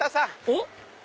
おっ！